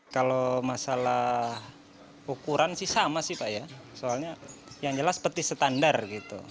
kalau masalah ukuran sih sama sih pak ya soalnya yang jelas petis standar gitu